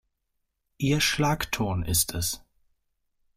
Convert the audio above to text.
Ihr Schlagton ist es.